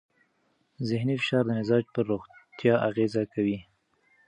ذهنې فشار د مزاج پر روغتیا اغېز کوي.